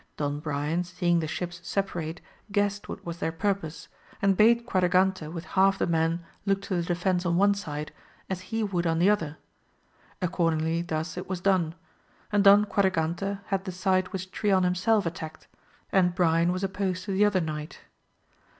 Don Brian seeing the ships separate guessed what was their purpose, and bade Quadragante with half the men look to the de fence on one side, as he would on the other ; accord ingly thus it was done, and Don Quadragante had the side which Trion himself attacked, and Brian was op posed to the other knight.